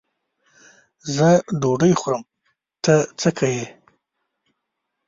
زه ډوډۍ خورم؛ ته څه که یې.